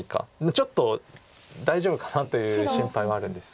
ちょっと大丈夫かなという心配はあるんですが。